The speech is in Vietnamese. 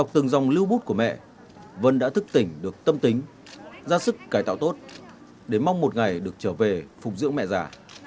hồi âm của mẹ vân đã thức tỉnh được tâm tính ra sức cải tạo tốt để mong một ngày được trở về phục dưỡng mẹ già